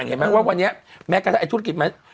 เห็นไหมว่าวันนี้แม้กระทั่งไอธุรกิจไหม